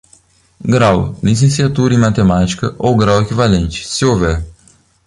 Grau: Licenciatura em Matemática, ou grau equivalente, se houver.